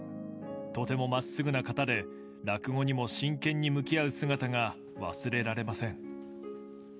とてもまっすぐな方で、落語にも真剣に向き合う姿が忘れられません。